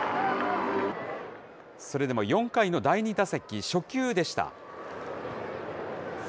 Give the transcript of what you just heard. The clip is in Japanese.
それでも４回の第２打席、初球でした。